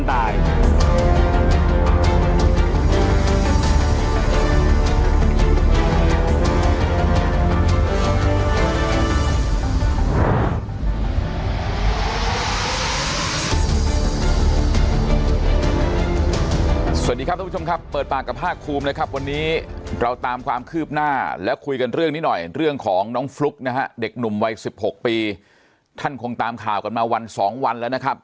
สวัสดีครับทุกผู้ชมครับเปิดปากกับภาคภูมินะครับวันนี้เราตามความคืบหน้าและคุยกันเรื่องนี้หน่อยเรื่องของน้องฟลุ๊กนะฮะเด็กหนุ่มวัย๑๖ปีท่านคงตามข่าวกันมาวันสองวันแล้วนะครับ